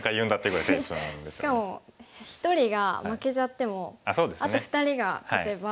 しかも１人が負けちゃってもあと２人が勝てば。